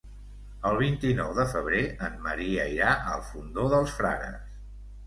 El vint-i-nou de febrer en Maria irà al Fondó dels Frares.